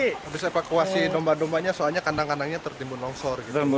habis evakuasi domba dombanya soalnya kandang kandangnya tertimbun longsor gitu